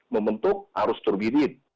membentuk arus turgidin